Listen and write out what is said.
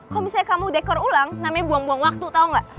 kalau misalnya kamu dekor ulang namanya buang buang waktu tahu nggak